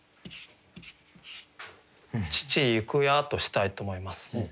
「父逝くや」としたいと思います。